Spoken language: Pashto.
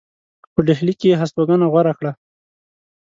په ډهلي کې یې هستوګنه غوره کړه.